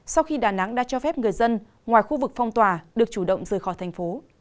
sau khi đà nẵng đã cho phép người dân ngoài khu vực phong tỏa được chủ động rời khỏi thành phố